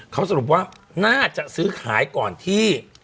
เขาสรุปว่าน่าจะซื้อขายก่อนที่